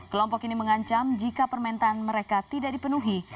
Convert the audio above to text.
kelompok ini mengancam jika permintaan mereka tidak dipenuhi